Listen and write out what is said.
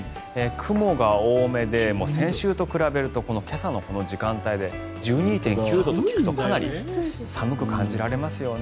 雲が多めで先週と比べると今朝のこの時間帯で１２．９度と聞くとかなり寒く感じられますよね。